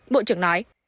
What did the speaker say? bộ trưởng nói